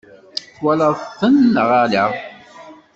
Twalaḍ-ten neɣ ala?